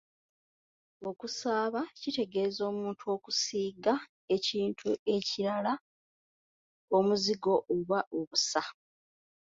Okusaaba kitegeeza “omuntu okusiiga ekintu ekirala omuzigo oba obusa”.